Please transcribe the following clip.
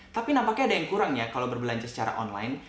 tapi nampaknya ada yang kurang ya kalau berbelanja secara online